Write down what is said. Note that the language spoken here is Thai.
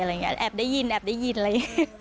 อะไรอย่างนี้แอบได้ยินอะไรอย่างนี้